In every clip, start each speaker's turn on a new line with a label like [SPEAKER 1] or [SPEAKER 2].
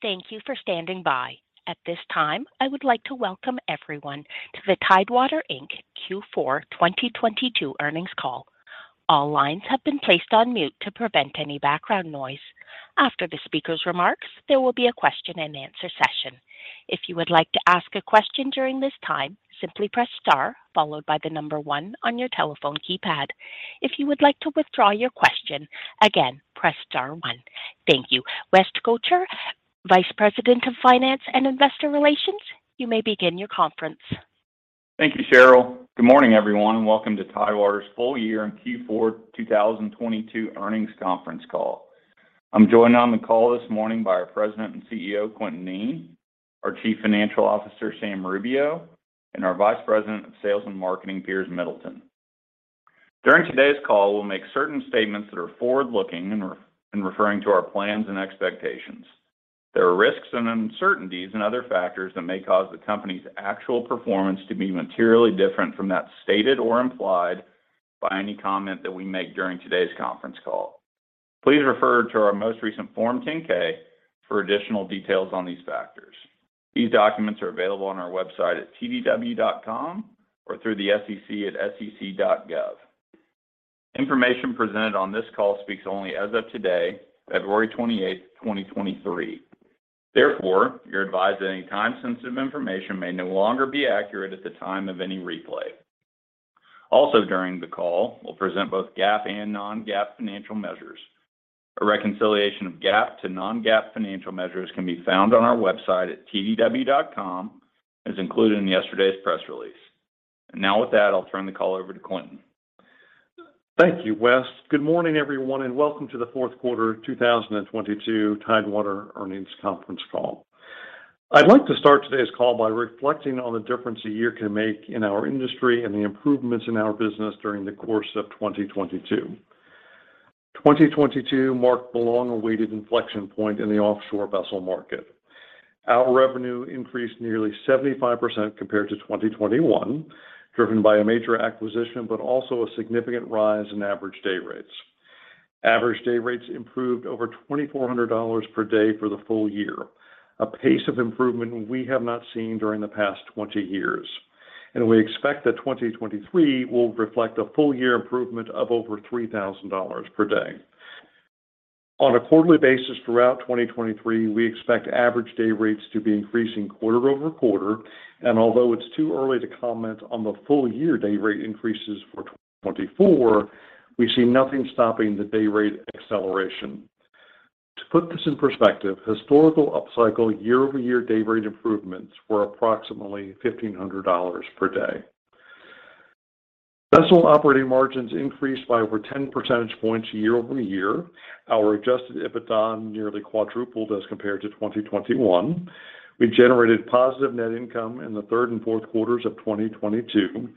[SPEAKER 1] Thank you for standing by. At this time, I would like to welcome everyone to the Tidewater Inc. Q4 2022 earnings call. All lines have been placed on mute to prevent any background noise. After the speaker's remarks, there will be a question and answer session. If you would like to ask a question during this time, simply press star followed by one on your telephone keypad. If you would like to withdraw your question, again, press star one. Thank you. West Gotcher, Vice President of Finance and Investor Relations, you may begin your conference.
[SPEAKER 2] Thank you, Cheryl. Good morning, everyone, and welcome to Tidewater's full year and Q4 2022 earnings conference call. I'm joined on the call this morning by our President and CEO, Quintin Kneen, our Chief Financial Officer, Sam Rubio, and our Vice President of Sales and Marketing, Piers Middleton. During today's call, we'll make certain statements that are forward-looking and referring to our plans and expectations. There are risks and uncertainties and other factors that may cause the company's actual performance to be materially different from that stated or implied by any comment that we make during today's conference call. Please refer to our most recent Form 10-K for additional details on these factors. These documents are available on our website at tdw.com or through the SEC at sec.gov. Information presented on this call speaks only as of today, February 28th, 2023. Therefore, you're advised that any time-sensitive information may no longer be accurate at the time of any replay. Also during the call, we'll present both GAAP and non-GAAP financial measures. A reconciliation of GAAP to non-GAAP financial measures can be found on our website at tdw.com, and is included in yesterday's press release. Now with that, I'll turn the call over to Quintin.
[SPEAKER 3] Thank you, West. Good morning, everyone, welcome to the fourth quarter 2022 Tidewater earnings conference call. I'd like to start today's call by reflecting on the difference a year can make in our industry and the improvements in our business during the course of 2022. 2022 marked the long-awaited inflection point in the offshore vessel market. Our revenue increased nearly 75% compared to 2021, driven by a major acquisition, also a significant rise in average day rates. Average day rates improved over $2,400 per day for the full year, a pace of improvement we have not seen during the past 20 years. We expect that 2023 will reflect a full year improvement of over $3,000 per day. On a quarterly basis throughout 2023, we expect average day rates to be increasing quarter-over-quarter. Although it's too early to comment on the full year day rate increases for 2024, we see nothing stopping the day rate acceleration. To put this in perspective, historical upcycle year-over-year day rate improvements were approximately $1,500 per day. Vessel operating margins increased by over 10 percentage points year-over-year. Our adjusted EBITDA nearly quadrupled as compared to 2021. We generated positive net income in the third and fourth quarters of 2022.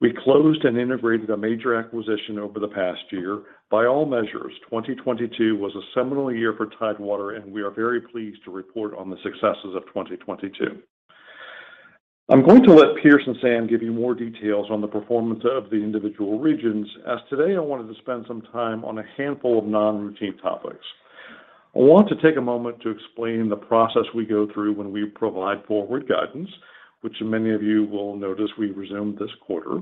[SPEAKER 3] We closed and integrated a major acquisition over the past year. By all measures, 2022 was a seminal year for Tidewater, and we are very pleased to report on the successes of 2022. I'm going to let Pierce and Sam give you more details on the performance of the individual regions, as today I wanted to spend some time on a handful of non-routine topics. I want to take a moment to explain the process we go through when we provide forward guidance, which many of you will notice we resumed this quarter.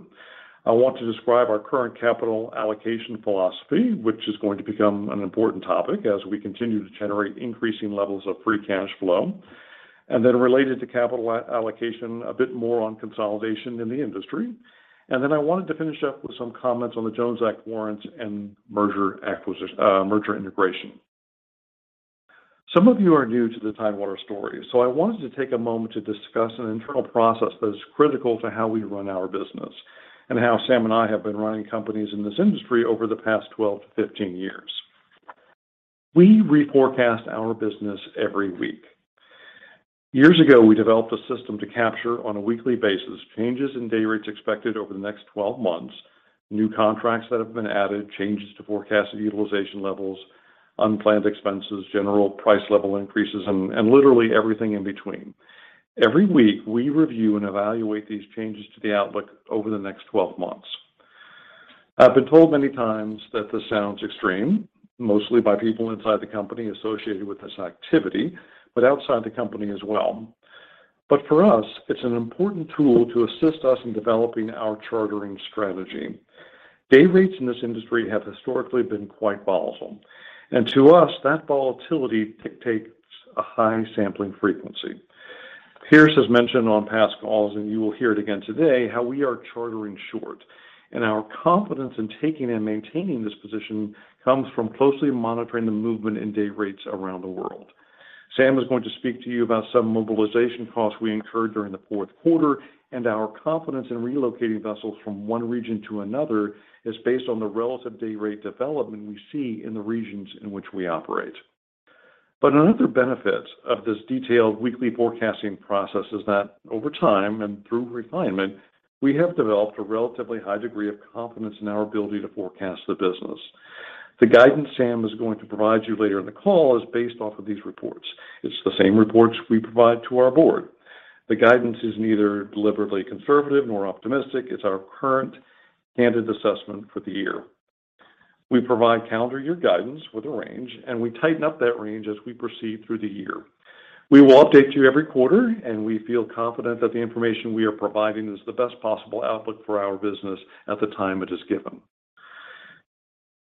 [SPEAKER 3] I want to describe our current capital allocation philosophy, which is going to become an important topic as we continue to generate increasing levels of free cash flow. Related to capital allocation, a bit more on consolidation in the industry. I wanted to finish up with some comments on the Jones Act warrants and merger acquisition, merger integration. Some of you are new to the Tidewater story, so I wanted to take a moment to discuss an internal process that is critical to how we run our business and how Sam and I have been running companies in this industry over the past 12 to 15 years. We reforecast our business every week. Years ago, we developed a system to capture on a weekly basis changes in day rates expected over the next 12 months, new contracts that have been added, changes to forecasted utilization levels, unplanned expenses, general price level increases, and literally everything in between. Every week, we review and evaluate these changes to the outlook over the next 12 months. I've been told many times that this sounds extreme, mostly by people inside the company associated with this activity, but outside the company as well. For us, it's an important tool to assist us in developing our chartering strategy. Day rates in this industry have historically been quite volatile, and to us, that volatility dictates a high sampling frequency. Piers has mentioned on past calls, you will hear it again today, how we are chartering short, our confidence in taking and maintaining this position comes from closely monitoring the movement in day rates around the world. Sam is going to speak to you about some mobilization costs we incurred during the fourth quarter, our confidence in relocating vessels from one region to another is based on the relative day rate development we see in the regions in which we operate. Another benefit of this detailed weekly forecasting process is that over time and through refinement, we have developed a relatively high degree of confidence in our ability to forecast the business. The guidance Sam is going to provide you later in the call is based off of these reports. It's the same reports we provide to our board. The guidance is neither deliberately conservative nor optimistic. It's our current candid assessment for the year. We provide calendar year guidance with a range, and we tighten up that range as we proceed through the year. We will update you every quarter, and we feel confident that the information we are providing is the best possible outlook for our business at the time it is given.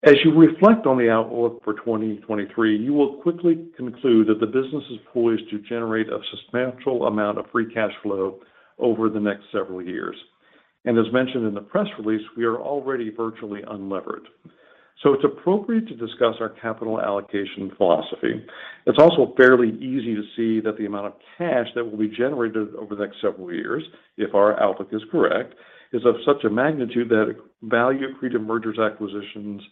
[SPEAKER 3] As you reflect on the outlook for 2023, you will quickly conclude that the business is poised to generate a substantial amount of free cash flow over the next several years. As mentioned in the press release, we are already virtually unlevered. It's appropriate to discuss our capital allocation philosophy. It's also fairly easy to see that the amount of cash that will be generated over the next several years, if our outlook is correct, is of such a magnitude that value-accretive mergers, acquisitions,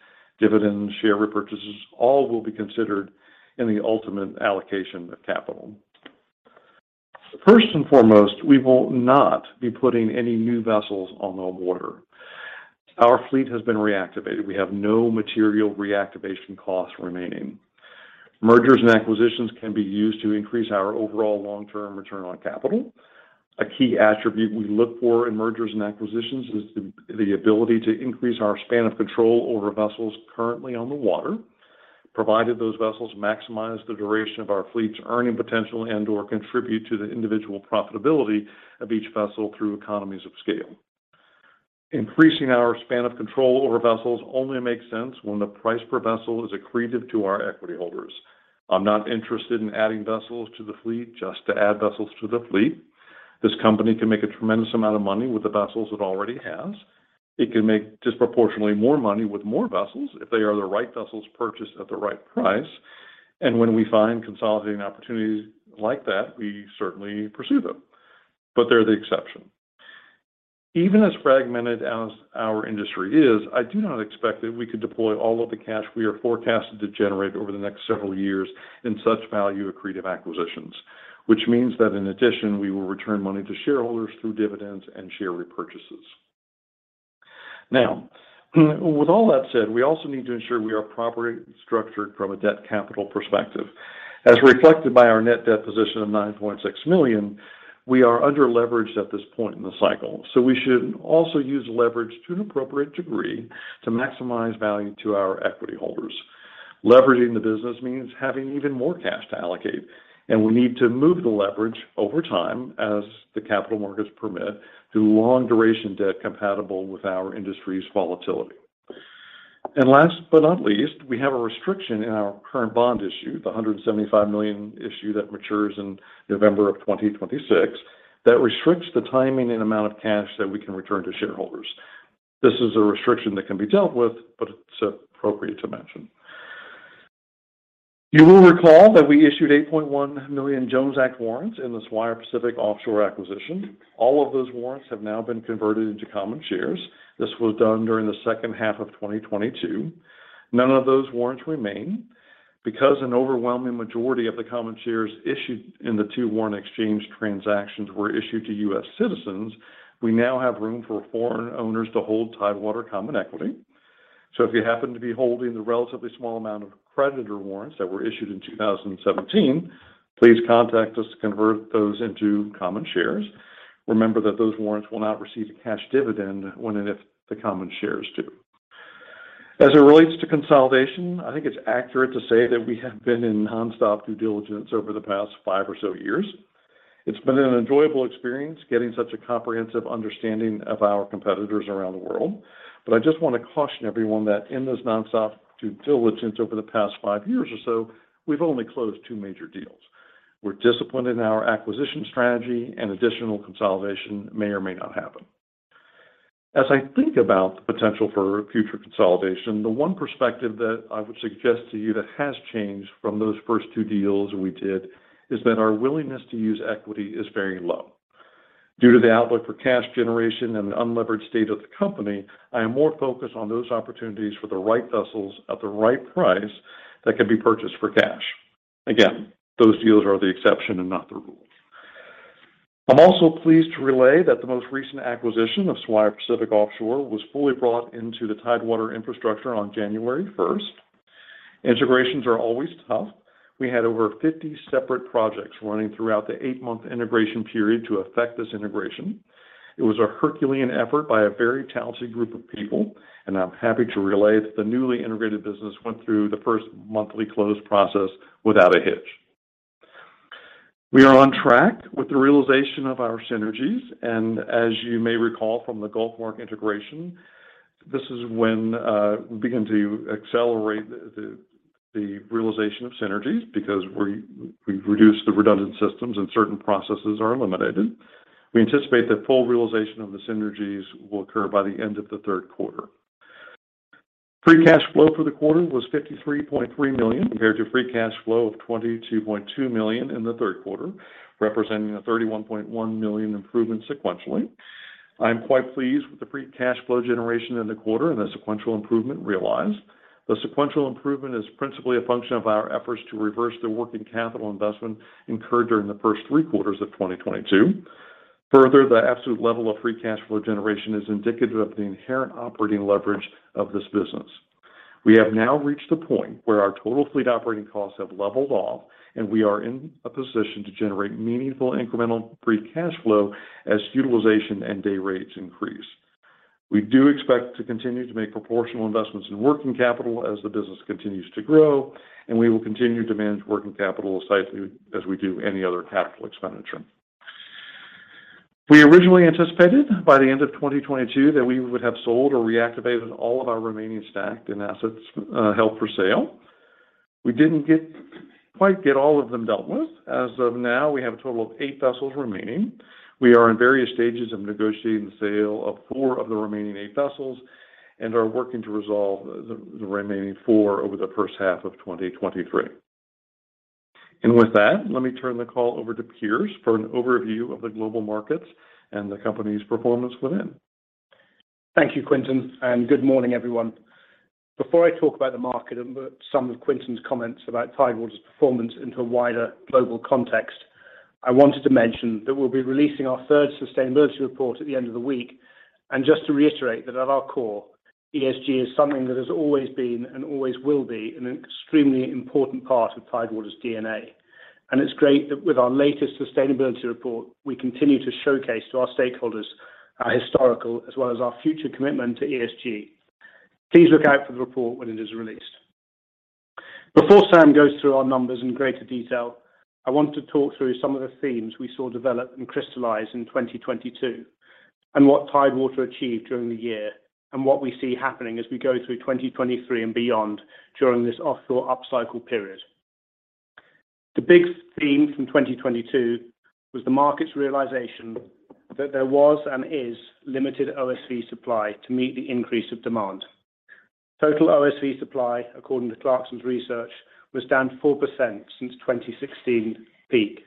[SPEAKER 3] dividends, share repurchases, all will be considered in the ultimate allocation of capital. First and foremost, we will not be putting any new vessels on the water. Our fleet has been reactivated. We have no material reactivation costs remaining. Mergers and acquisitions can be used to increase our overall long-term return on capital. A key attribute we look for in mergers and acquisitions is the ability to increase our span of control over vessels currently on the water, provided those vessels maximize the duration of our fleet's earning potential and/or contribute to the individual profitability of each vessel through economies of scale. Increasing our span of control over vessels only makes sense when the price per vessel is accretive to our equity holders. I'm not interested in adding vessels to the fleet just to add vessels to the fleet. This company can make a tremendous amount of money with the vessels it already has. It can make disproportionately more money with more vessels if they are the right vessels purchased at the right price. When we find consolidating opportunities like that, we certainly pursue them, but they're the exception. Even as fragmented as our industry is, I do not expect that we could deploy all of the cash we are forecasted to generate over the next several years in such value-accretive acquisitions. Which means that in addition, we will return money to shareholders through dividends and share repurchases. With all that said, we also need to ensure we are properly structured from a debt capital perspective. As reflected by our net debt position of $9.6 million, we are under-leveraged at this point in the cycle, so we should also use leverage to an appropriate degree to maximize value to our equity holders. Leveraging the business means having even more cash to allocate, and we need to move the leverage over time as the capital markets permit through long-duration debt compatible with our industry's volatility. Last but not least, we have a restriction in our current bond issue, the $175 million issue that matures in November of 2026, that restricts the timing and amount of cash that we can return to shareholders. This is a restriction that can be dealt with, but it's appropriate to mention. You will recall that we issued 8.1 million Jones Act warrants in the Swire Pacific Offshore acquisition. All of those warrants have now been converted into common shares. This was done during the second half of 2022. None of those warrants remain. Because an overwhelming majority of the common shares issued in the two warrant exchange transactions were issued to U.S. citizens, we now have room for foreign owners to hold Tidewater common equity. If you happen to be holding the relatively small amount of creditor warrants that were issued in 2017, please contact us to convert those into common shares. Remember that those warrants will not receive a cash dividend when and if the common shares do. As it relates to consolidation, I think it's accurate to say that we have been in nonstop due diligence over the past five or so years. It's been an enjoyable experience getting such a comprehensive understanding of our competitors around the world. I just wanna caution everyone that in this nonstop due diligence over the past five years or so, we've only closed two major deals. We're disciplined in our acquisition strategy and additional consolidation may or may not happen. As I think about the potential for future consolidation, the one perspective that I would suggest to you that has changed from those first two deals we did is that our willingness to use equity is very low. Due to the outlook for cash generation and the unlevered state of the company, I am more focused on those opportunities for the right vessels at the right price that can be purchased for cash. Again, those deals are the exception and not the rule. I'm also pleased to relay that the most recent acquisition of Swire Pacific Offshore was fully brought into the Tidewater infrastructure on January first. Integrations are always tough. We had over 50 separate projects running throughout the eight-month integration period to affect this integration. It was a Herculean effort by a very talented group of people, and I'm happy to relay that the newly integrated business went through the first monthly close process without a hitch. We are on track with the realization of our synergies, and as you may recall from the GulfMark integration, this is when we begin to accelerate the realization of synergies because we've reduced the redundant systems and certain processes are eliminated. We anticipate that full realization of the synergies will occur by the end of the third quarter. Free cash flow for the quarter was $53.3 million compared to free cash flow of $22.2 million in the third quarter, representing a $31.1 million improvement sequentially. I am quite pleased with the free cash flow generation in the quarter and the sequential improvement realized. The sequential improvement is principally a function of our efforts to reverse the working capital investment incurred during the first three quarters of 2022. Further, the absolute level of free cash flow generation is indicative of the inherent operating leverage of this business. We have now reached a point where our total fleet operating costs have leveled off, and we are in a position to generate meaningful incremental free cash flow as utilization and day rates increase. We do expect to continue to make proportional investments in working capital as the business continues to grow, and we will continue to manage working capital as safely as we do any other capital expenditure. We originally anticipated by the end of 2022 that we would have sold or reactivated all of our remaining stacked and assets, held for sale. We didn't quite get all of them dealt with. As of now, we have a total of eight vessels remaining. We are in various stages of negotiating the sale of four of the remaining eight vessels and are working to resolve the remaining four over the first half of 2023. With that, let me turn the call over to Piers for an overview of the global markets and the company's performance within.
[SPEAKER 4] Thank you, Quintin, and good morning, everyone. Before I talk about the market and some of Quintin's comments about Tidewater's performance into a wider global context, I wanted to mention that we'll be releasing our third sustainability report at the end of the week. Just to reiterate that at our core, ESG is something that has always been and always will be an extremely important part of Tidewater's DNA. It's great that with our latest sustainability report, we continue to showcase to our stakeholders our historical as well as our future commitment to ESG. Please look out for the report when it is released. Before Sam goes through our numbers in greater detail, I want to talk through some of the themes we saw develop and crystallize in 2022, what Tidewater achieved during the year, what we see happening as we go through 2023 and beyond during this offshore upcycle period. The big theme from 2022 was the market's realization that there was and is limited OSV supply to meet the increase of demand. Total OSV supply, according to Clarksons' research, was down 4% since 2016 peak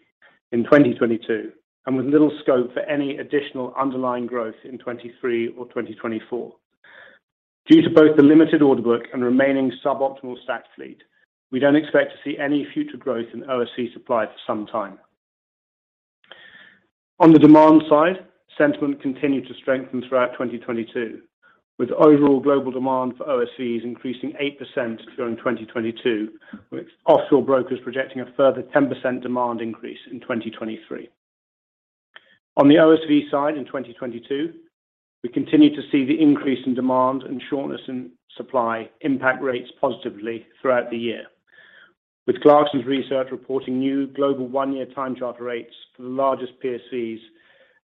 [SPEAKER 4] in 2022, with little scope for any additional underlying growth in 2023 or 2024. Due to both the limited order book and remaining suboptimal stacked fleet, we don't expect to see any future growth in OSV supply for some time. On the demand side, sentiment continued to strengthen throughout 2022, with overall global demand for OSVs increasing 8% during 2022, with offshore brokers projecting a further 10% demand increase in 2023. On the OSV side in 2022, we continued to see the increase in demand and shortness in supply impact rates positively throughout the year. With Clarksons' research reporting new global one-year time charter rates for the largest PSVs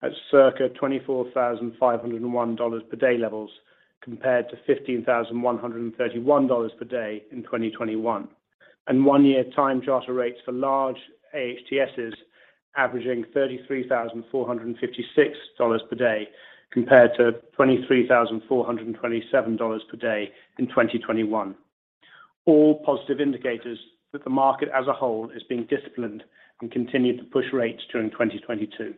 [SPEAKER 4] at circa $24,501 per day levels compared to $15,131 per day in 2021. One-year time charter rates for large AHTS is averaging $33,456 per day compared to $23,427 per day in 2021. All positive indicators that the market as a whole is being disciplined and continued to push rates during 2022.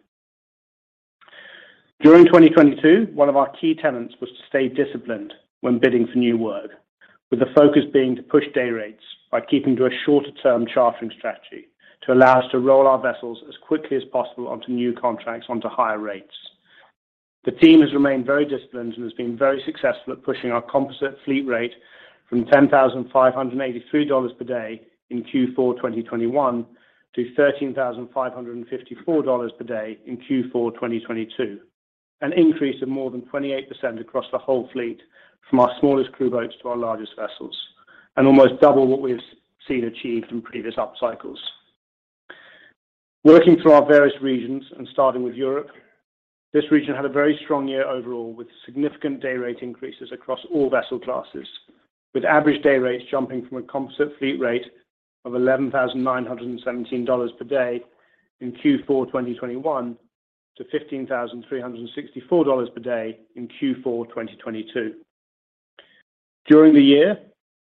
[SPEAKER 4] During 2022, one of our key tenets was to stay disciplined when bidding for new work, with the focus being to push day rates by keeping to a shorter term chartering strategy to allow us to roll our vessels as quickly as possible onto new contracts onto higher rates. The team has remained very disciplined and has been very successful at pushing our composite fleet rate from $10,583 per day in Q4 2021 to $13,554 per day in Q4 2022. An increase of more than 28% across the whole fleet from our smallest crew boats to our largest vessels, almost double what we've seen achieved in previous upcycles. Working through our various regions and starting with Europe, this region had a very strong year overall, with significant day rate increases across all vessel classes, with average day rates jumping from a composite fleet rate of $11,917 per day in Q4 2021 to $15,364 per day in Q4 2022. During the year,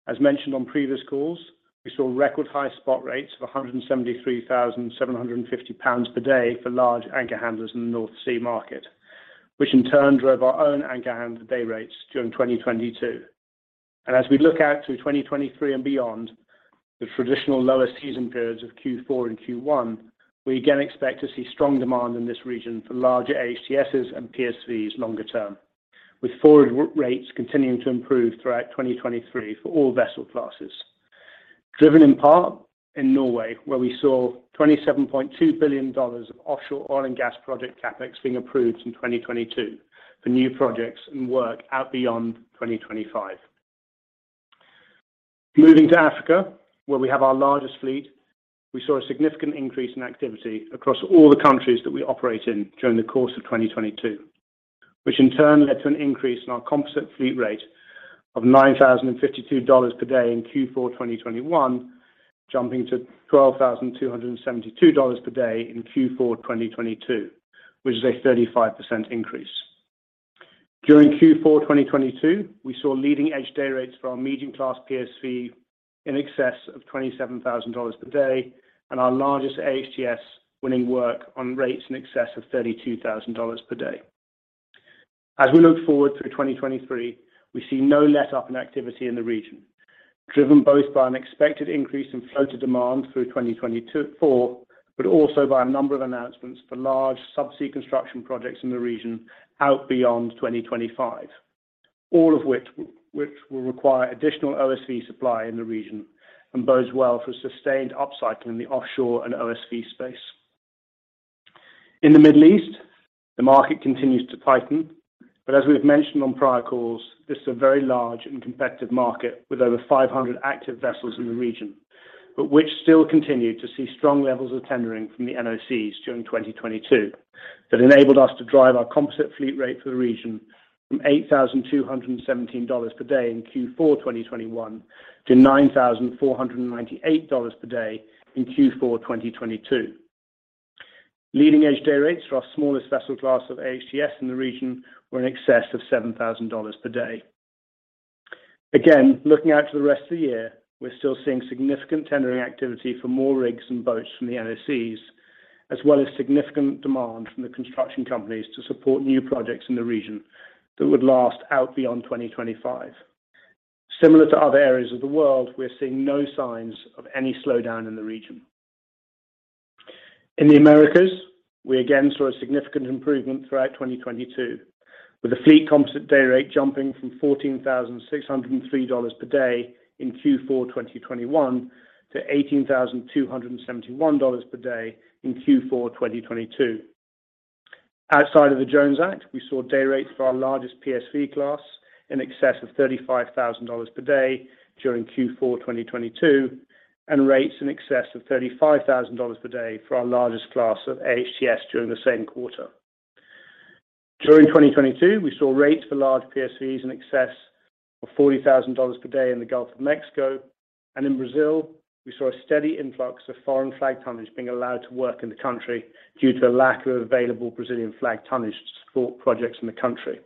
[SPEAKER 4] as mentioned on previous calls, we saw record high spot rates of 173,750 pounds per day for large anchor handlers in the North Sea market, which in turn drove our own anchor handler day rates during 2022. As we look out to 2023 and beyond, the traditional lower season periods of Q4 and Q1, we again expect to see strong demand in this region for larger AHTS and PSVs longer term, with forward work rates continuing to improve throughout 2023 for all vessel classes. Driven in part in Norway, where we saw $27.2 billion of offshore oil and gas project CapEx being approved in 2022 for new projects and work out beyond 2025. Moving to Africa, where we have our largest fleet, we saw a significant increase in activity across all the countries that we operate in during the course of 2022, which in turn led to an increase in our composite fleet rate of $9,052 per day in Q4 2021, jumping to $12,272 per day in Q4 2022, which is a 35% increase. During Q4 2022, we saw leading edge day rates for our medium class PSV in excess of $27,000 per day, and our largest AHTS winning work on rates in excess of $32,000 per day. As we look forward through 2023, we see no letup in activity in the region, driven both by an expected increase in floater demand through 2024, but also by a number of announcements for large subsea construction projects in the region out beyond 2025. All of which will require additional OSV supply in the region and bodes well for sustained upcycling in the offshore and OSV space. In the Middle East, the market continues to tighten. As we have mentioned on prior calls, this is a very large and competitive market with over 500 active vessels in the region, which still continued to see strong levels of tendering from the NOCs during 2022 that enabled us to drive our composite fleet rate for the region from $8,217 per day in Q4 2021 to $9,498 per day in Q4 2022. Leading edge day rates for our smallest vessel class of AHTS in the region were in excess of $7,000 per day. Again, looking out to the rest of the year, we're still seeing significant tendering activity for more rigs and boats from the NOCs, as well as significant demand from the construction companies to support new projects in the region that would last out beyond 2025. Similar to other areas of the world, we're seeing no signs of any slowdown in the region. In the Americas, we again saw a significant improvement throughout 2022, with the fleet composite day rate jumping from $14,603 per day in Q4 2021 to $18,271 per day in Q4 2022. Outside of the Jones Act, we saw day rates for our largest PSV class in excess of $35,000 per day during Q4 2022, and rates in excess of $35,000 per day for our largest class of AHTS during the same quarter. During 2022, we saw rates for large PSVs in excess of $40,000 per day in the Gulf of Mexico. In Brazil, we saw a steady influx of foreign flag tonnage being allowed to work in the country due to a lack of available Brazilian flag tonnage to support projects in the country.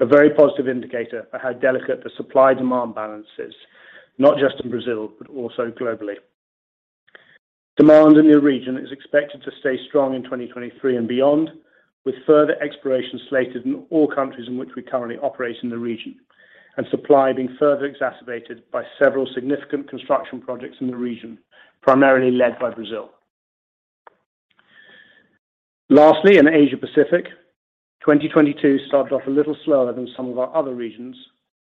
[SPEAKER 4] A very positive indicator of how delicate the supply-demand balance is, not just in Brazil, but also globally. Demand in the region is expected to stay strong in 2023 and beyond, with further exploration slated in all countries in which we currently operate in the region, and supply being further exacerbated by several significant construction projects in the region, primarily led by Brazil. Lastly, in Asia Pacific, 2022 started off a little slower than some of our other regions,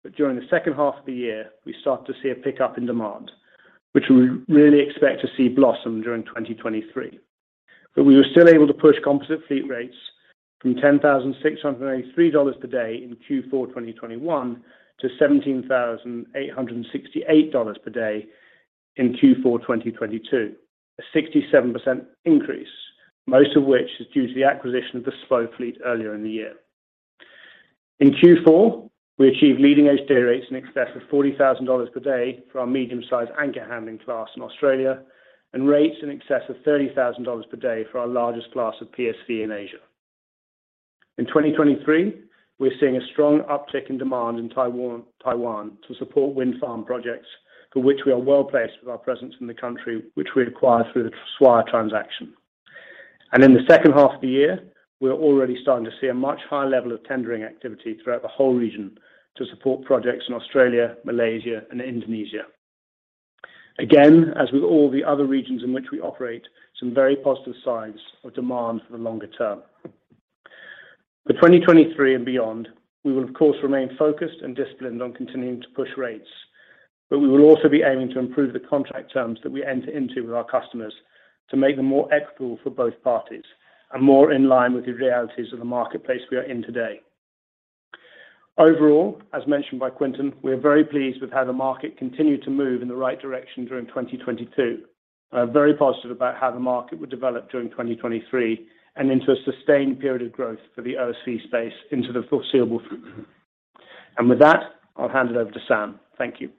[SPEAKER 4] but during the second half of the year, we started to see a pickup in demand, which we really expect to see blossom during 2023. We were still able to push composite fleet rates from $10,683 per day in Q4 2021 to $17,868 per day in Q4 2022, a 67% increase, most of which is due to the acquisition of the SWA fleet earlier in the year. In Q4, we achieved leading edge day rates in excess of $40,000 per day for our medium-sized anchor handling class in Australia, and rates in excess of $30,000 per day for our largest class of PSV in Asia. In 2023, we're seeing a strong uptick in demand in Taiwan to support wind farm projects for which we are well-placed with our presence in the country, which we acquired through the SWA transaction. In the second half of the year, we are already starting to see a much higher level of tendering activity throughout the whole region to support projects in Australia, Malaysia, and Indonesia. Again, as with all the other regions in which we operate, some very positive signs of demand for the longer term. For 2023 and beyond, we will of course remain focused and disciplined on continuing to push rates, but we will also be aiming to improve the contract terms that we enter into with our customers to make them more equitable for both parties and more in line with the realities of the marketplace we are in today. Overall, as mentioned by Quintin, we are very pleased with how the market continued to move in the right direction during 2022. I'm very positive about how the market will develop during 2023 and into a sustained period of growth for the OSV space into the foreseeable future. With that, I'll hand it over to Sam. Thank you.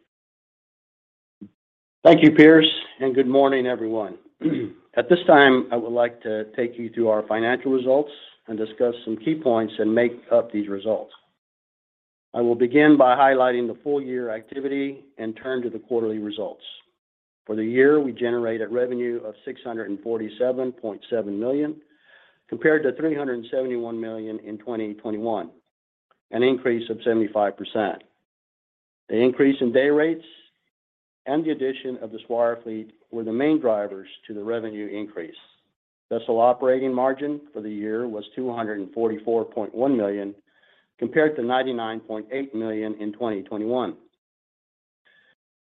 [SPEAKER 5] Thank you, Piers, and good morning, everyone. At this time, I would like to take you through our financial results and discuss some key points that make up these results. I will begin by highlighting the full year activity and turn to the quarterly results. For the year, we generated revenue of $647.7 million, compared to $371 million in 2021, an increase of 75%. The increase in day rates and the addition of the SPO fleet were the main drivers to the revenue increase. Vessel operating margin for the year was $244.1 million, compared to $99.8 million in 2021.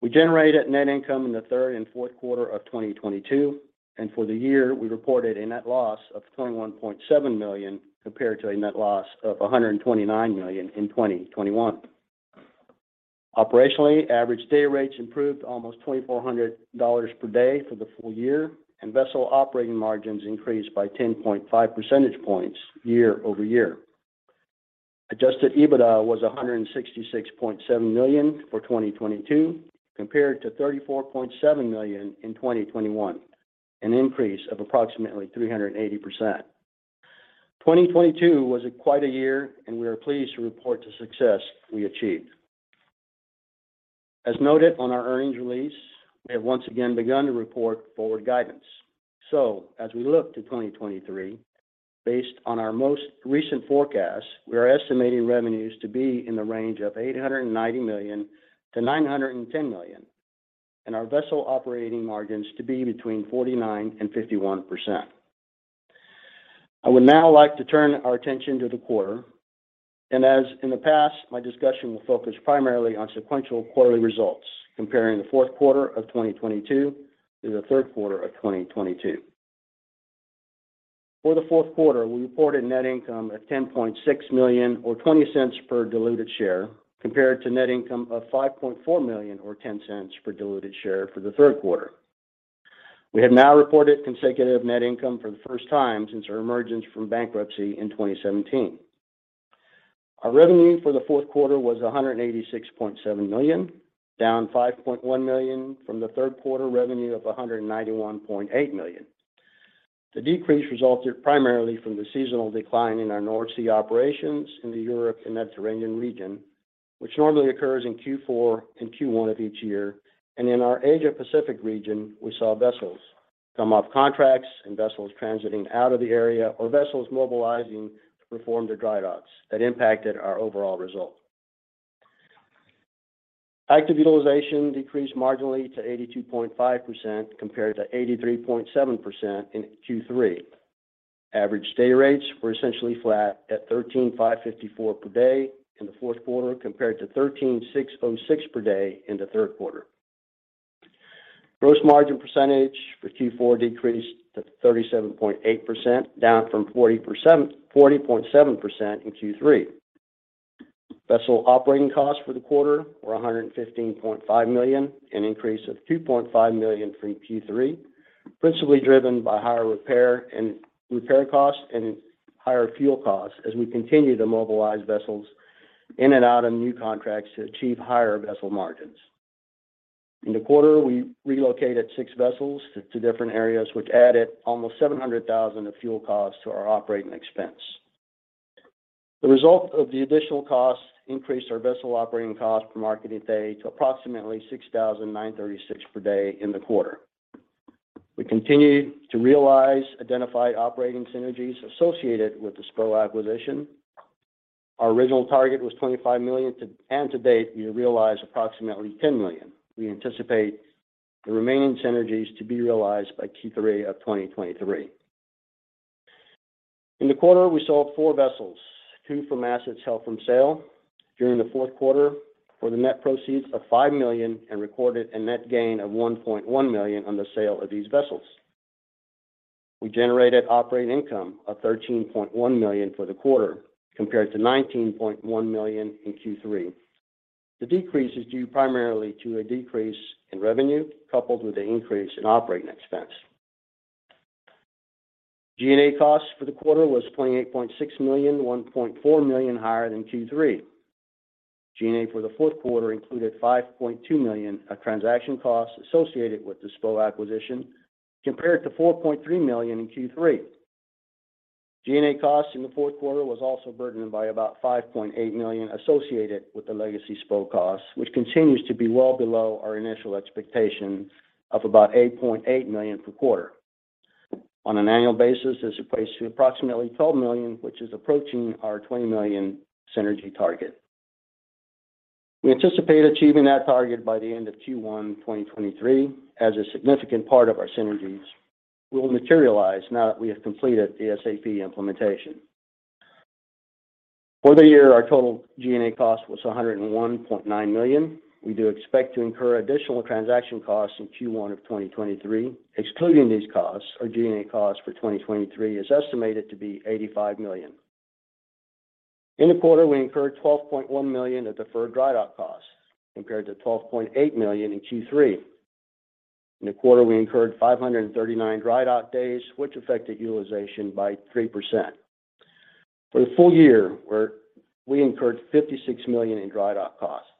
[SPEAKER 5] We generated net income in the third and fourth quarter of 2022. For the year, we reported a net loss of $21.7 million compared to a net loss of $129 million in 2021. Operationally, average day rates improved almost $2,400 per day for the full year. Vessel operating margins increased by 10.5 percentage points year-over-year. Adjusted EBITDA was $166.7 million for 2022, compared to $34.7 million in 2021, an increase of approximately 380%. 2022 was quite a year. We are pleased to report the success we achieved. As noted on our earnings release, we have once again begun to report forward guidance. As we look to 2023, based on our most recent forecast, we are estimating revenues to be in the range of $890 million-$910 million, and our vessel operating margins to be between 49% and 51%. I would now like to turn our attention to the quarter. As in the past, my discussion will focus primarily on sequential quarterly results, comparing the fourth quarter of 2022 to the third quarter of 2022. For the fourth quarter, we reported net income of $10.6 million or $0.20 per diluted share, compared to net income of $5.4 million or $0.10 per diluted share for the third quarter. We have now reported consecutive net income for the first time since our emergence from bankruptcy in 2017. Our revenue for the fourth quarter was $186.7 million, down $5.1 million from the third quarter revenue of $191.8 million. The decrease resulted primarily from the seasonal decline in our North Sea operations in the Europe and Mediterranean region, which normally occurs in Q4 and Q1 of each year. In our Asia Pacific region, we saw vessels come off contracts and vessels transiting out of the area or vessels mobilizing to perform their dry docks that impacted our overall result. Active utilization decreased marginally to 82.5% compared to 83.7% in Q3. Average day rates were essentially flat at $13,554 per day in the fourth quarter, compared to $13,606 per day in the third quarter. Gross margin percentage for Q4 decreased to 37.8%, down from 40.7% in Q3. Vessel operating costs for the quarter were $115.5 million, an increase of $2.5 million from Q3, principally driven by higher repair costs and higher fuel costs as we continue to mobilize vessels in and out on new contracts to achieve higher vessel margins. In the quarter, we relocated 6 vessels to different areas, which added almost $700,000 of fuel costs to our operating expense. The result of the additional costs increased our vessel operating cost per marketed day to approximately $6,936 per day in the quarter. We continued to realize identified operating synergies associated with the SPO acquisition. Our original target was $25 million. To date, we have realized approximately $10 million. We anticipate the remaining synergies to be realized by Q3 of 2023. In the quarter, we sold four vessels, two from assets held from sale during the fourth quarter for the net proceeds of $5 million and recorded a net gain of $1.1 million on the sale of these vessels. We generated operating income of $13.1 million for the quarter, compared to $19.1 million in Q3. The decrease is due primarily to a decrease in revenue, coupled with an increase in operating expense. G&A costs for the quarter was $28.6 million, $1.4 million higher than Q3. G&A for the fourth quarter included $5.2 million of transaction costs associated with the SPO acquisition, compared to $4.3 million in Q3. G&A costs in the fourth quarter was also burdened by about $5.8 million associated with the legacy SPO costs, which continues to be well below our initial expectation of about $8.8 million per quarter. On an annual basis, this equates to approximately $12 million, which is approaching our $20 million synergy target. We anticipate achieving that target by the end of Q1 2023, as a significant part of our synergies will materialize now that we have completed the SAP implementation. For the year, our total G&A cost was $101.9 million. We do expect to incur additional transaction costs in Q1 of 2023. Excluding these costs, our G&A cost for 2023 is estimated to be $85 million. In the quarter, we incurred $12.1 million of deferred dry dock costs, compared to $12.8 million in Q3. In the quarter, we incurred 539 dry dock days, which affected utilization by 3%. For the full year, we incurred $56 million in dry dock costs.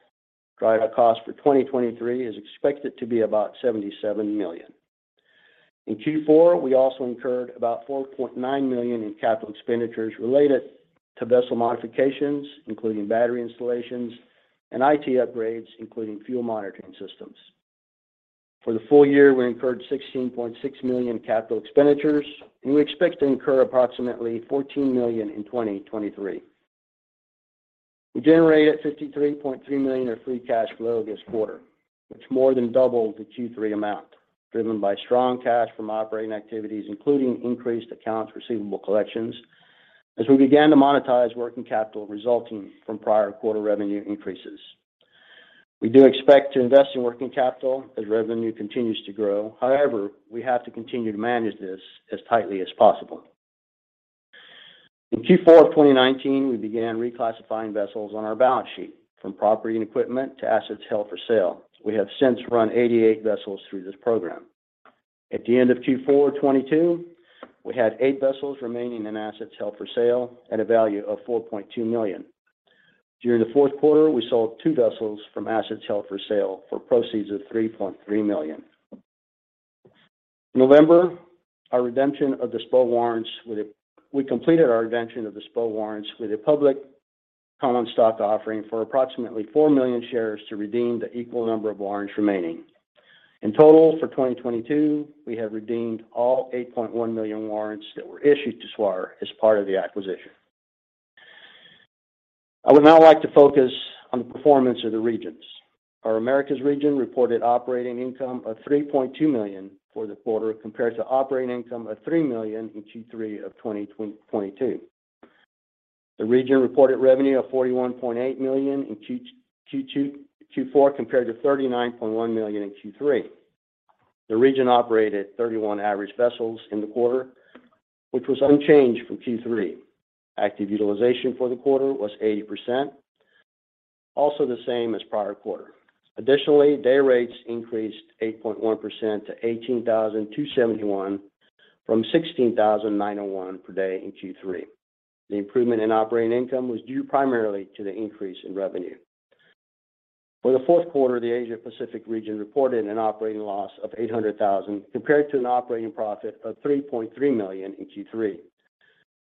[SPEAKER 5] Dry dock costs for 2023 is expected to be about $77 million. In Q4, we also incurred about $4.9 million in capital expenditures related to vessel modifications, including battery installations and IT upgrades, including fuel monitoring systems. For the full year, we incurred $16.6 million capital expenditures. We expect to incur approximately $14 million in 2023. We generated $53.3 million of free cash flow this quarter, which more than doubled the Q3 amount, driven by strong cash from operating activities, including increased accounts receivable collections, as we began to monetize working capital resulting from prior quarter revenue increases. We do expect to invest in working capital as revenue continues to grow. However, we have to continue to manage this as tightly as possible. In Q4 of 2019, we began reclassifying vessels on our balance sheet from property and equipment to assets held for sale. We have since run 88 vessels through this program. At the end of Q4 2022, we had eight vessels remaining in assets held for sale at a value of $4.2 million. During the fourth quarter, we sold two vessels from assets held for sale for proceeds of $3.3 million. In November, we completed our redemption of the SPO warrants with a public common stock offering for approximately 4 million shares to redeem the equal number of warrants remaining. In total, for 2022, we have redeemed all $8.1 million warrants that were issued to SPO as part of the acquisition. I would now like to focus on the performance of the regions. Our Americas region reported operating income of $3.2 million for the quarter compared to operating income of $3 million in Q3 of 2022. The region reported revenue of $41.8 million in Q4 compared to $39.1 million in Q3. The region operated 31 average vessels in the quarter, which was unchanged from Q3. Active utilization for the quarter was 80%, also the same as prior quarter. Day rates increased 8.1% to $18,271 from $16,901 per day in Q3. The improvement in operating income was due primarily to the increase in revenue. For the fourth quarter, the Asia Pacific region reported an operating loss of $800,000 compared to an operating profit of $3.3 million in Q3.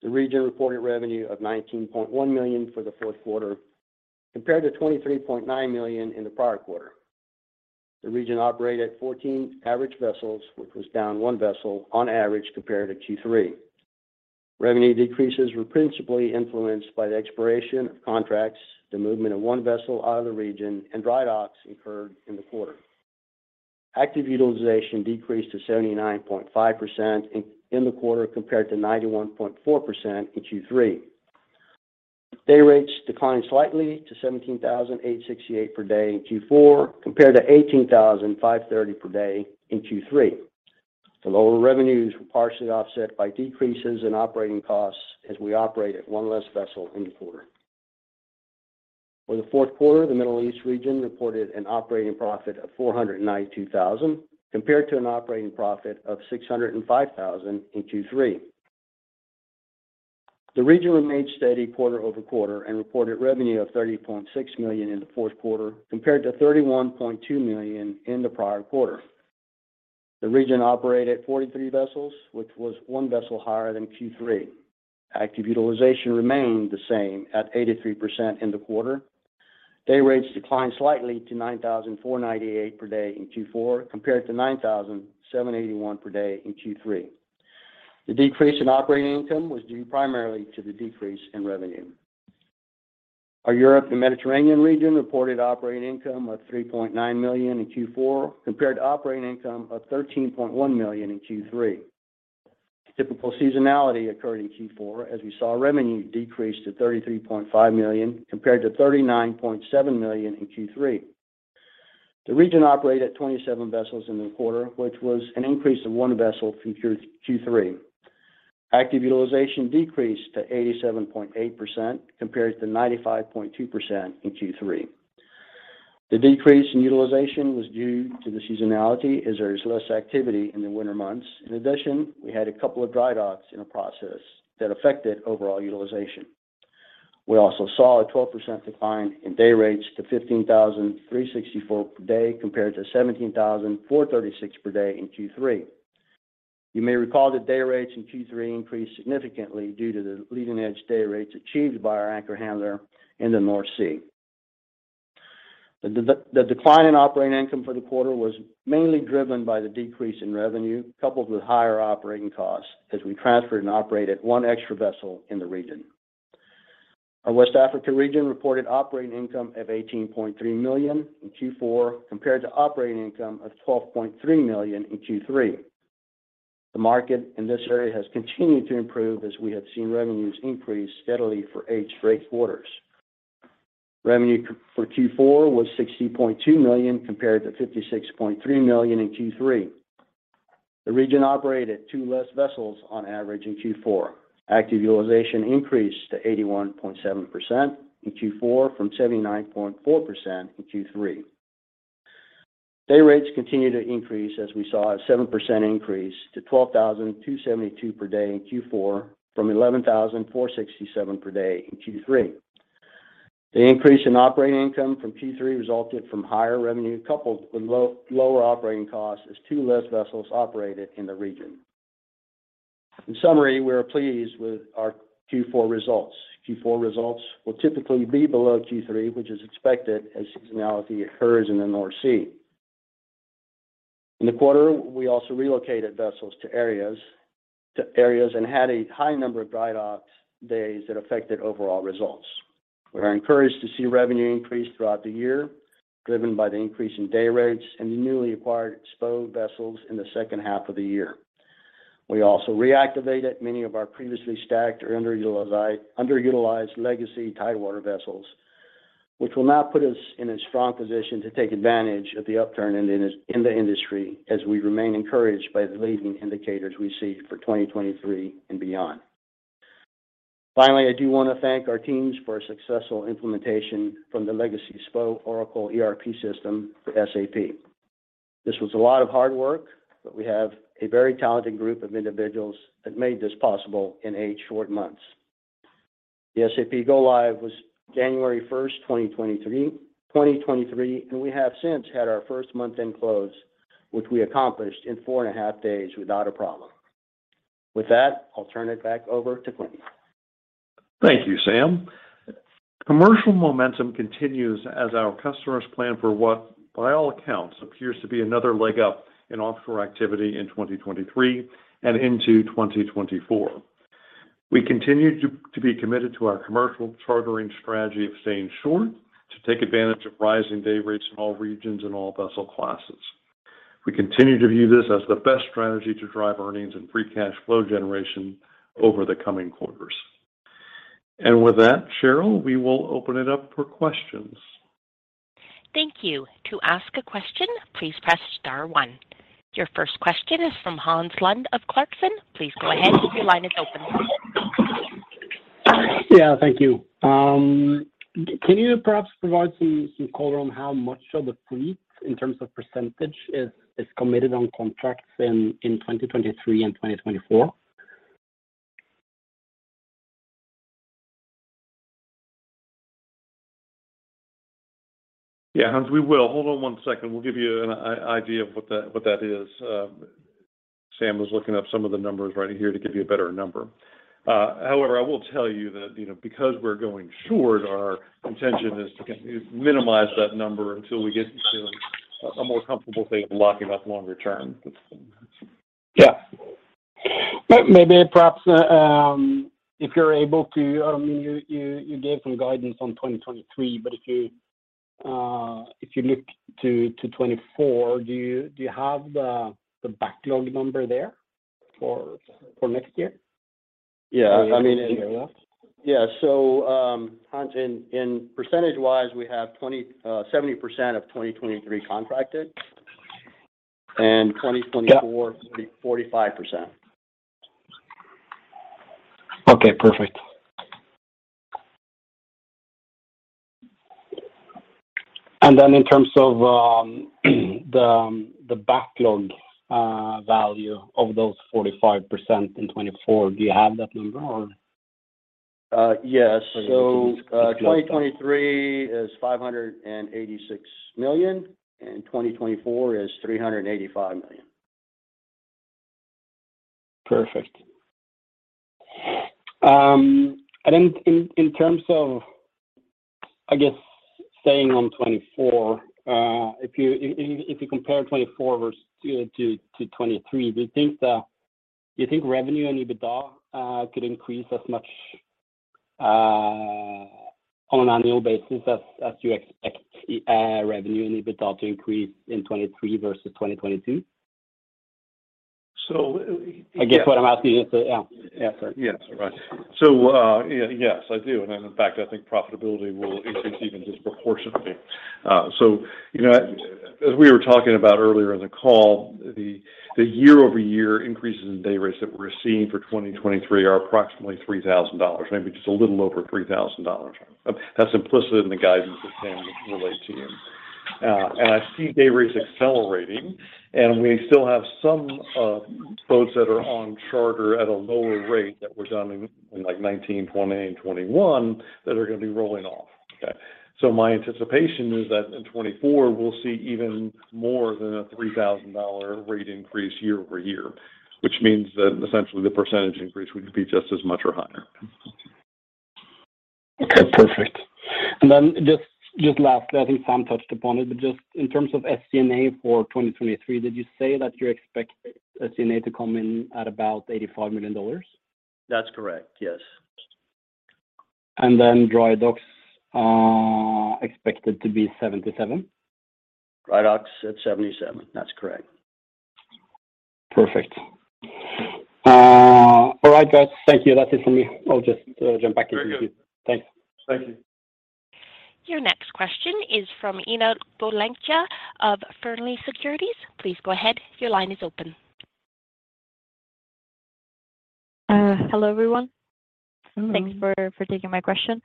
[SPEAKER 5] The region reported revenue of $19.1 million for the fourth quarter compared to $23.9 million in the prior quarter. The region operated 14 average vessels, which was down one vessel on average compared to Q3. Revenue decreases were principally influenced by the expiration of contracts, the movement of one vessel out of the region, and dry docks incurred in the quarter. Active utilization decreased to 79.5% in the quarter compared to 91.4% in Q3. Day rates declined slightly to 17,868 per day in Q4 compared to 18,530 per day in Q3. The lower revenues were partially offset by decreases in operating costs as we operate at one less vessel in the quarter. For the fourth quarter, the Middle East region reported an operating profit of $492,000 compared to an operating profit of $605,000 in Q3. The region remained steady quarter-over-quarter and reported revenue of $30.6 million in the fourth quarter compared to $31.2 million in the prior quarter. The region operated 43 vessels, which was one vessel higher than Q3. Active utilization remained the same at 83% in the quarter. Day rates declined slightly to $9,498 per day in Q4 compared to $9,781 per day in Q3. The decrease in operating income was due primarily to the decrease in revenue. Our Europe and Mediterranean region reported operating income of $3.9 million in Q4 compared to operating income of $13.1 million in Q3. Typical seasonality occurred in Q4 as we saw revenue decrease to $33.5 million compared to $39.7 million in Q3. The region operated 27 vessels in the quarter, which was an increase of one vessel from Q3. Active utilization decreased to 87.8% compared to 95.2% in Q3. The decrease in utilization was due to the seasonality as there is less activity in the winter months. In addition, we had a couple of dry docks in the process that affected overall utilization. We also saw a 12% decline in day rates to $15,364 per day compared to $17,436 per day in Q3. You may recall the day rates in Q3 increased significantly due to the leading-edge day rates achieved by our anchor handler in the North Sea. The decline in operating income for the quarter was mainly driven by the decrease in revenue, coupled with higher operating costs as we transferred and operated one extra vessel in the region. Our West Africa region reported operating income of $18.3 million in Q4 compared to operating income of $12.3 million in Q3. The market in this area has continued to improve as we have seen revenues increase steadily for eight straight quarters. Revenue for Q4 was $60.2 million compared to $56.3 million in Q3. The region operated two less vessels on average in Q4. Active utilization increased to 81.7% in Q4 from 79.4% in Q3. Day rates continued to increase as we saw a 7% increase to 12,272 per day in Q4 from 11,467 per day in Q3. The increase in operating income from Q3 resulted from higher revenue coupled with lower operating costs as two less vessels operated in the region. In summary, we are pleased with our Q4 results. Q4 results will typically be below Q3, which is expected as seasonality occurs in the North Sea. In the quarter, we also relocated vessels to areas and had a high number of dry dock days that affected overall results. We are encouraged to see revenue increase throughout the year, driven by the increase in day rates and the newly acquired spud vessels in the second half of the year. We also reactivated many of our previously stacked or underutilized legacy Tidewater vessels, which will now put us in a strong position to take advantage of the upturn in the industry as we remain encouraged by the leading indicators we see for 2023 and beyond. I do wanna thank our teams for a successful implementation from the legacy SPO Oracle ERP system to SAP. This was a lot of hard work, but we have a very talented group of individuals that made this possible in eight short months. The SAP go-live was January 1, 2023, we have since had our first month-end close, which we accomplished in four and a half days without a problem. With that, I'll turn it back over to Quint.
[SPEAKER 3] Thank you, Sam. Commercial momentum continues as our customers plan for what, by all accounts, appears to be another leg up in offshore activity in 2023 and into 2024. We continue to be committed to our commercial chartering strategy of staying short to take advantage of rising day rates in all regions and all vessel classes. We continue to view this as the best strategy to drive earnings and free cash flow generation over the coming quarters. With that, Cheryl, we will open it up for questions.
[SPEAKER 1] Thank you. To ask a question, please press star one. Your first question is from Hans Lund of Clarksons. Please go ahead. Your line is open.
[SPEAKER 6] Yeah. Thank you. Can you perhaps provide some color on how much of the fleet in terms of % is committed on contracts in 2023 and 2024?
[SPEAKER 3] Yeah, Hans, we will. Hold on one second. We'll give you an idea of what that is. Sam was looking up some of the numbers right here to give you a better number. However, I will tell you that, you know, because we're going short, our intention is to minimize that number until we get to a more comfortable state of locking up longer term.
[SPEAKER 6] Yeah. Maybe, perhaps, if you're able to, I mean, you gave some guidance on 2023, but if you look to 2024, do you have the backlog number there for next year?
[SPEAKER 3] Yeah. I mean...
[SPEAKER 5] Yeah. Hans, in percentage-wise, we have 70% of 2023 contracted and 2024-
[SPEAKER 6] Yeah.
[SPEAKER 5] 45%.
[SPEAKER 6] Okay. Perfect. In terms of the backlog value of those 45% in 2024, do you have that number or?
[SPEAKER 5] Yes. 2023 is $586 million, and 2024 is $385 million.
[SPEAKER 6] Perfect. In terms of, I guess, staying on 2024, if you compare 2024 to 2023, do you think revenue and EBITDA could increase as much on an annual basis as you expect revenue and EBITDA to increase in 2023 versus 2022?
[SPEAKER 3] So-
[SPEAKER 6] I guess what I'm asking is that. Yeah.
[SPEAKER 3] Yes. Right. Yes, I do. In fact, I think profitability will increase even disproportionately. You know, as we were talking about earlier in the call, the year-over-year increases in day rates that we're seeing for 2023 are approximately $3,000, maybe just a little over $3,000. That's implicit in the guidance that Sam relayed to you. I see day rates accelerating, and we still have some boats that are on charter at a lower rate that were done in like 2019, 2020, and 2021 that are gonna be rolling off. Okay. My anticipation is that in 2024, we'll see even more than a $3,000 rate increase year-over-year, which means that essentially the percentage increase would be just as much or higher.
[SPEAKER 6] Okay. Perfect. Then just lastly, I think Sam touched upon it. Just in terms of SG&A for 2023, did you say that you expect SG&A to come in at about $85 million?
[SPEAKER 5] That's correct. Yes.
[SPEAKER 6] Dry docks are expected to be $77?
[SPEAKER 5] Dry docks at $77. That's correct.
[SPEAKER 6] Perfect. All right, guys. Thank you. That's it for me. I'll just jump back in.
[SPEAKER 3] Very good.
[SPEAKER 6] Thanks.
[SPEAKER 3] Thank you.
[SPEAKER 1] Your next question is from Ina Golikja of Fearnley Securities. Please go ahead. Your line is open.
[SPEAKER 7] Hello, everyone.
[SPEAKER 1] Hello. Thanks for taking my question.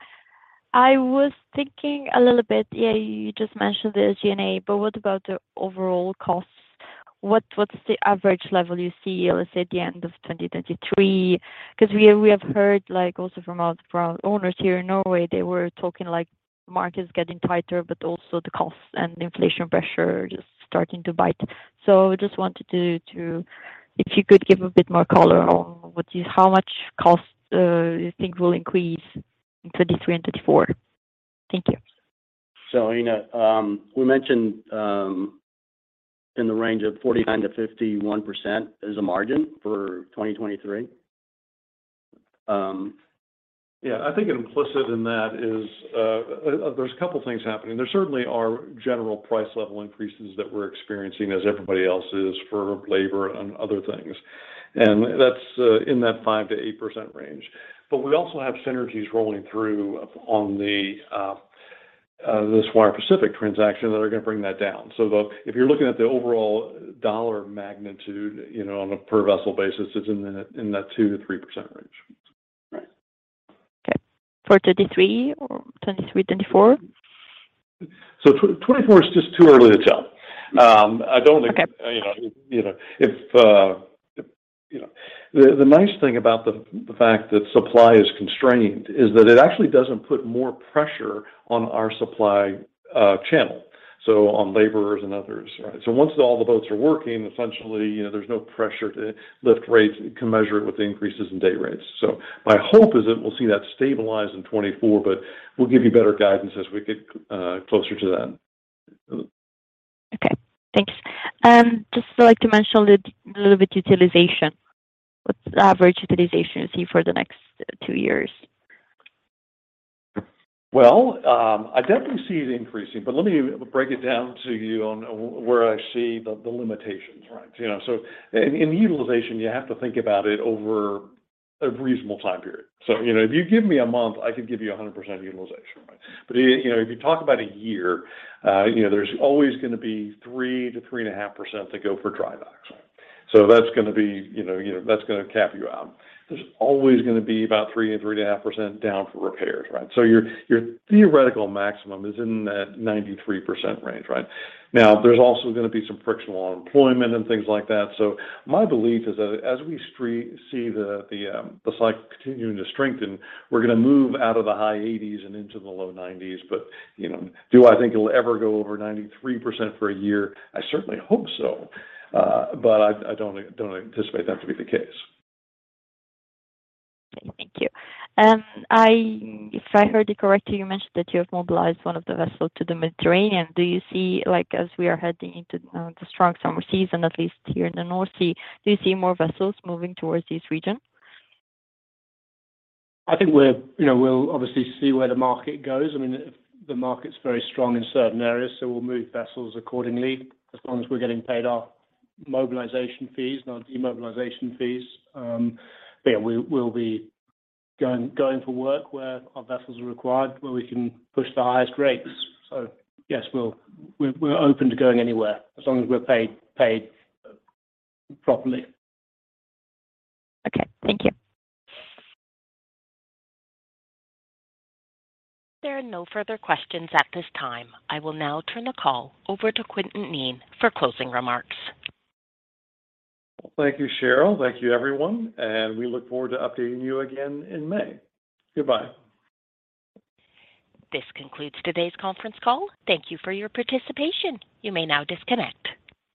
[SPEAKER 1] I was thinking a little bit. You just mentioned the SG&A, what about the overall costs? What's the average level you see, let's say, at the end of 2023? We have heard also from our owners here in Norway, they were talking market is getting tighter, also the costs and inflation pressure just starting to bite. Just wanted to, if you could give a bit more color on how much cost you think will increase in 23 and 24. Thank you.
[SPEAKER 5] Ina, we mentioned, in the range of 49%-51% as a margin for 2023.
[SPEAKER 3] Yeah. I think implicit in that is, there's a couple of things happening. There certainly are general price level increases that we're experiencing as everybody else is for labor and other things. That's in that 5%-8% range. We also have synergies rolling through on the, this Swire Pacific transaction that are gonna bring that down. If you're looking at the overall dollar magnitude, you know, on a per vessel basis, it's in that, in that 2%-3% range.
[SPEAKER 5] Right.
[SPEAKER 7] Okay. For 2023 or 2023, 2024?
[SPEAKER 3] 2024 is just too early to tell.
[SPEAKER 7] Okay.
[SPEAKER 3] You know, if, you know. The nice thing about the fact that supply is constrained is that it actually doesn't put more pressure on our supply channel, so on laborers and others. Right? Once all the boats are working, essentially, you know, there's no pressure to lift rates. You can measure it with the increases in day rates. My hope is that we'll see that stabilize in 2024, but we'll give you better guidance as we get closer to then.
[SPEAKER 7] Okay, thanks. Just like to mention a little bit utilization. What's the average utilization you see for the next two years?
[SPEAKER 3] I definitely see it increasing, but let me break it down to you on where I see the limitations, right? You know, in utilization, you have to think about it over a reasonable time period. You know, if you give me a month, I could give you 100% utilization, right? You know, if you talk about a year, you know, there's always gonna be 3%-3.5% that go for dry docks. That's gonna be, you know, that's gonna cap you out. There's always gonna be about 3%-3.5% down for repairs, right? Your theoretical maximum is in that 93% range, right? There's also gonna be some frictional unemployment and things like that. My belief is that as we see the cycle continuing to strengthen, we're gonna move out of the high 80s and into the low 90s. you know, do I think it'll ever go over 93% for a year? I certainly hope so. I don't anticipate that to be the case.
[SPEAKER 7] Okay. Thank you. If I heard you correctly, you mentioned that you have mobilized one of the vessels to the Mediterranean. Do you see, like, as we are heading into the strong summer season, at least here in the North Sea, do you see more vessels moving towards this region?
[SPEAKER 4] I think we're, you know, we'll obviously see where the market goes. I mean, if the market's very strong in certain areas, so we'll move vessels accordingly, as long as we're getting paid our mobilization fees, not demobilization fees. Yeah, we'll be going for work where our vessels are required, where we can push the highest rates. Yes, we're open to going anywhere as long as we're paid properly.
[SPEAKER 7] Okay. Thank you.
[SPEAKER 1] There are no further questions at this time. I will now turn the call over to Quintin Kneen for closing remarks.
[SPEAKER 3] Thank you, Cheryl. Thank you, everyone, and we look forward to updating you again in May. Goodbye.
[SPEAKER 1] This concludes today's conference call. Thank you for your participation. You may now disconnect.